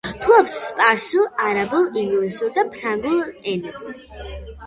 ფლობს სპარსულ, არაბულ, ინგლისურ და ფრანგულ ენებს.